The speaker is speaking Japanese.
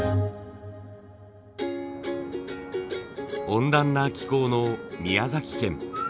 温暖な気候の宮崎県。